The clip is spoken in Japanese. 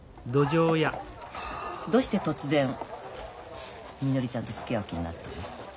どうして突然みのりちゃんとつきあう気になったの？